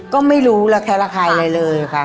ก็ไม่รู้ระแคระคายอะไรเลยค่ะ